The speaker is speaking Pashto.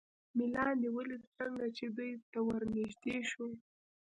مې لاندې ولید، څنګه چې دوی ته ور نږدې شو.